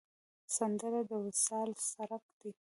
سندره د وصال څرک دی